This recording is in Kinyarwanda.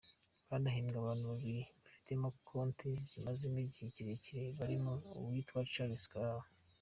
Hanahembwe abantu babiri bafitemo konti zimazemo igihe kirekire barimo uwitwa Charles Karara.